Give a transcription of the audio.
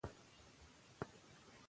ښوونځي نجونې د مدني دندې لپاره چمتو کوي.